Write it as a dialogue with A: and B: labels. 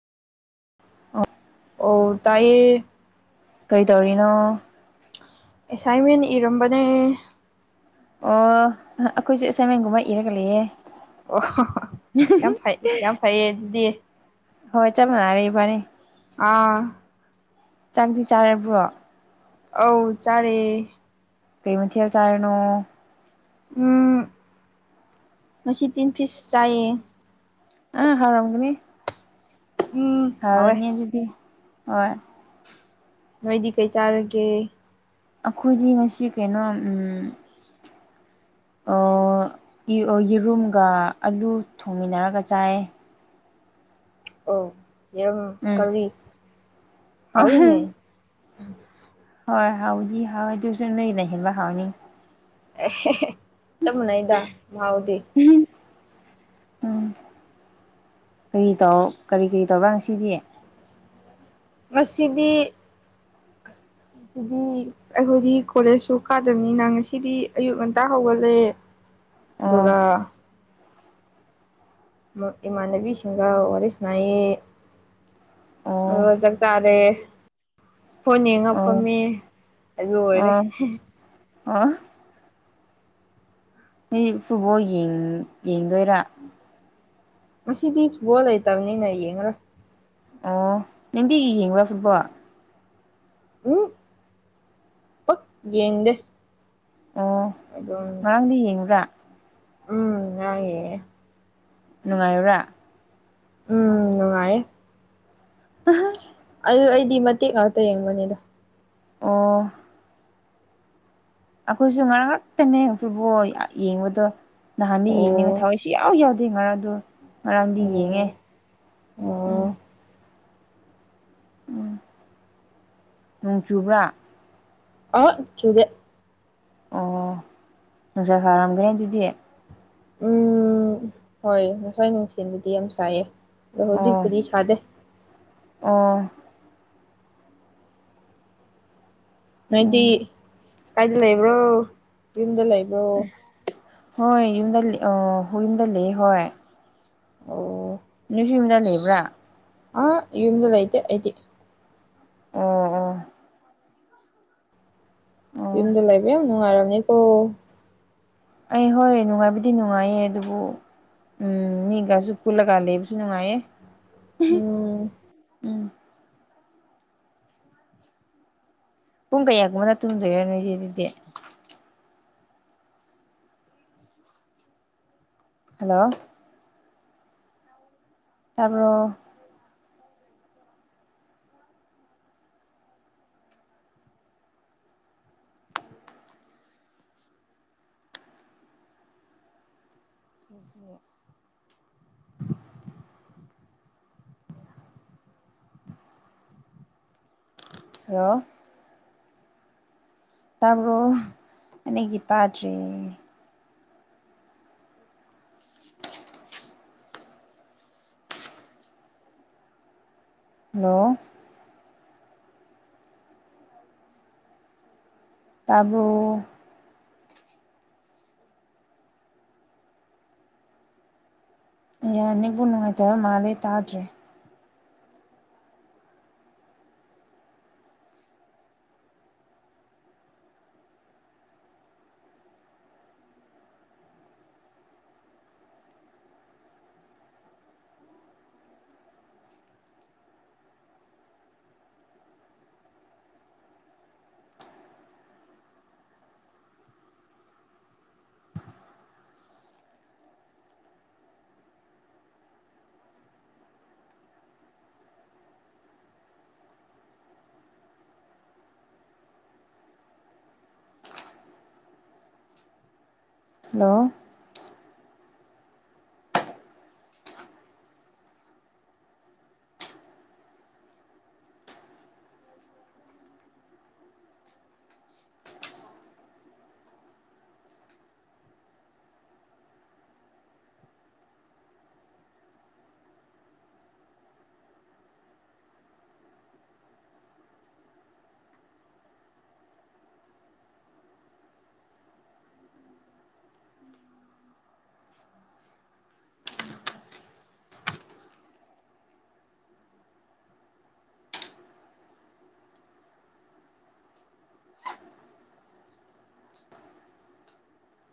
A: ꯑꯣ ꯇꯥꯏꯌꯦ
B: ꯀꯩꯇꯧꯔꯤꯅꯣ
A: ꯑꯦꯁꯥꯏꯟꯃꯦꯟ ꯏꯔꯝꯕꯅꯦ
B: ꯑꯣ ꯑꯈꯣꯏꯁꯨ ꯑꯦꯁꯥꯏꯟꯃꯦꯟꯒꯨꯝꯕ ꯏꯔꯒ ꯂꯩꯌꯦ
A: ꯑꯣ ꯌꯥꯝ ꯐꯩ ꯌꯥꯝ ꯐꯩꯌꯦ ꯑꯗꯨꯗꯤ
B: ꯍꯣꯏ ꯆꯞ ꯃꯥꯟꯅꯔꯦ ꯏꯕꯅꯤ
A: ꯑꯥ
B: ꯆꯥꯛꯗꯤ ꯆꯥꯔꯕ꯭ꯔꯣ
A: ꯑꯧ ꯆꯥꯔꯦ
B: ꯀꯩ ꯃꯊꯦꯜ ꯆꯥꯔꯤꯅꯣ
A: ꯎꯝ ꯉꯁꯤ ꯇꯤꯟ ꯐꯤꯁ ꯆꯥꯏꯌꯦ
B: ꯑꯥ ꯍꯥꯎꯔꯝꯒꯅꯤ
A: ꯎꯝ ꯍꯥꯎꯋꯦ
B: ꯍꯥꯎꯔꯅꯤ ꯑꯗꯨꯗꯤ ꯍꯣꯢ
A: ꯅꯣꯏꯗꯤ ꯀꯩ ꯆꯥꯔꯒꯦ
B: ꯑꯩꯈꯣꯏꯗꯤ ꯉꯁꯤ ꯀꯩꯅꯣ ꯎꯝ ꯑꯣ ꯌꯤ ꯑ ꯌꯦꯔꯨꯝꯒ ꯑꯂꯨ ꯊꯣꯡꯃꯤꯟꯅꯔꯒ ꯆꯥꯏꯌꯦ
A: ꯑꯣ ꯌꯦꯔꯨꯝ ꯀꯔꯤ ꯍꯥꯎꯏꯅꯦ
B: ꯎꯝ ꯍꯣꯏ ꯍꯥꯎꯗꯤ ꯍꯥꯎꯋꯦ ꯑꯗꯨꯢꯁꯨ ꯅꯣꯏꯒꯤꯅ ꯍꯦꯟꯕ ꯍꯥꯎꯅꯤ
A: ꯑꯦ ꯍꯦ ꯍꯦ ꯆꯞ ꯃꯥꯟꯅꯩꯌꯦꯗ ꯃꯍꯥꯎꯗꯤ
B: ꯎꯝ ꯀꯔꯤ ꯇꯧ ꯀꯔꯤ ꯀꯔꯤ ꯇꯧꯕ꯭ꯔꯥ ꯉꯁꯤꯗꯤ
A: ꯉꯁꯤꯗꯤ ꯁꯤꯗꯤ ꯑꯩꯈꯣꯏꯗꯤ ꯀꯣꯂꯦꯖꯁꯨ ꯀꯥꯗꯕꯅꯤꯅ ꯉꯁꯤꯗꯤ ꯑꯌꯨꯛ ꯉꯟꯇꯥ ꯍꯧꯒꯠꯂꯦ
B: ꯑꯣ
A: ꯗꯨꯒ ꯃꯨꯛ ꯏꯃꯥꯟꯅꯕꯤꯁꯤꯡꯒ ꯋꯥꯔꯤ ꯁꯥꯟꯅꯩꯌꯦ
B: ꯑꯣ
A: ꯑꯗꯨꯒ ꯆꯥꯛ ꯆꯥꯔꯦ ꯐꯣꯟ ꯌꯦꯡꯉ
B: ꯑꯣ
A: ꯐꯝꯃꯦ ꯂꯣꯏꯔꯦ
B: ꯍꯥ ꯅꯣꯏ ꯐꯨꯠꯕꯣꯜ ꯌꯦꯡ ꯌꯦꯡꯗꯣꯏꯔꯥ
A: ꯉꯁꯤꯗꯤ ꯐꯨꯠꯕꯣꯜ ꯂꯩꯇꯕꯅꯤꯅ ꯌꯦꯡꯉꯔꯣꯏ
B: ꯑꯣ ꯅꯪꯗꯤ ꯌꯦꯡꯕ꯭ꯔꯥ ꯐꯨꯠꯕꯣꯜ
A: ꯎꯝ ꯄꯛ ꯌꯦꯡꯗꯦ
B: ꯑꯣ
A: ꯑꯗꯨꯝ
B: ꯉꯔꯥꯡꯗꯤ ꯌꯦꯡꯕ꯭ꯔꯥ
A: ꯎꯝ ꯉꯔꯥꯡ ꯌꯦꯡꯉꯦ
B: ꯅꯨꯡꯉꯥꯏꯕ꯭ꯔꯥ
A: ꯎꯝ ꯅꯨꯡꯉꯥꯏꯌꯦ
B: ꯑꯍꯥ
A: ꯑꯗꯨ ꯑꯩꯗꯤ ꯃꯇꯦꯛ ꯉꯥꯛꯇ ꯌꯦꯡꯕꯅꯦꯗ
B: ꯑꯣ ꯑꯩꯈꯣꯏꯁꯨ ꯉꯔꯉꯛꯇꯅꯦ ꯐꯨꯠꯕꯣꯜ ꯌꯥ ꯌꯦꯡꯕꯗꯣ ꯅꯍꯥꯟꯗꯤ ꯌꯦꯡꯅꯤꯡ
A: ꯑꯣ
B: ꯊꯋꯥꯢ ꯁꯨ ꯌꯥꯎ ꯌꯥꯎꯗꯦ ꯉꯔꯥꯡꯗꯣ ꯉꯔꯥꯡꯗꯤ
A: ꯑꯣ
B: ꯌꯦꯡꯉꯦ ꯎꯝ
A: ꯑꯣ
B: ꯎꯝ ꯅꯣꯡ ꯆꯨꯕ꯭ꯔꯥ
A: ꯑꯍꯥ ꯆꯨꯗꯦ
B: ꯑꯣ ꯅꯨꯡꯁꯥ ꯁꯥꯔꯝꯒꯅꯤ ꯑꯗꯨꯗꯤ
A: ꯎꯝ ꯍꯣꯏ ꯉꯁꯥꯏ ꯅꯨꯡꯊꯤꯜꯕꯨꯗꯤ ꯌꯥꯝ ꯁꯥꯏꯌꯦ ꯑꯗꯣ
B: ꯑꯣ
A: ꯍꯧꯖꯤꯛꯄꯨꯗꯤ ꯁꯥꯗꯦ
B: ꯑꯣ
A: ꯅꯣꯏꯗꯤ
B: ꯎꯝ
A: ꯀꯥꯏꯗ ꯂꯩꯕ꯭ꯔꯣ ꯌꯨꯝꯗ ꯂꯩꯕ꯭ꯔꯣ
B: ꯍꯣꯏ ꯌꯨꯝꯗ ꯂꯩ ꯑꯣ ꯌꯨꯝꯗ ꯂꯩꯌꯦ ꯍꯣꯏ
A: ꯑꯣ
B: ꯅꯣꯢꯁꯨ ꯌꯨꯝꯗ ꯂꯩꯕ꯭ꯔꯥ
A: ꯑꯍꯥ ꯌꯨꯝꯗ ꯂꯩꯇꯦ ꯑꯩꯗꯤ
B: ꯑꯣ ꯑꯣ ꯑꯣ
A: ꯌꯨꯝꯗ ꯂꯩꯕ ꯌꯥꯝ ꯅꯨꯡꯉꯥꯢꯔꯝꯅꯤꯀꯣ
B: ꯑꯩ ꯍꯣꯏ ꯅꯨꯡꯉꯥꯏꯕꯗꯤ ꯅꯨꯡꯉꯥꯏꯌꯦ ꯑꯗꯨꯕꯨ ꯎꯝ ꯃꯤꯒꯥꯁꯨ ꯄꯨꯨꯜꯂꯒꯥ ꯂꯩꯕꯁꯨ ꯅꯨꯡꯉꯥꯏꯌꯦ
A: ꯎꯝ
B: ꯎꯝ ꯄꯨꯡ ꯀꯌꯥꯒꯨꯝꯕꯗ ꯇꯨꯝꯗꯣꯏꯔ ꯅꯣꯏꯗꯤ ꯑꯗꯨꯗꯤ ꯍꯜꯂꯣ ꯇꯥꯕ꯭ꯔꯣ [unintelligible] ꯍꯜꯂꯣ ꯇꯥꯕ꯭ꯔꯣ ꯑꯩꯅꯗꯤ ꯇꯥꯗ꯭ꯔꯦ ꯍꯜꯂꯣ ꯇꯥꯕ꯭ꯔꯣ ꯌꯥ ꯅꯦꯠꯋꯥ꯭ꯔꯛ ꯅꯨꯡꯉꯥꯏꯇꯕ ꯃꯥꯜꯂꯦ ꯇꯥꯗ꯭ꯔꯦ ꯍꯜꯂꯣ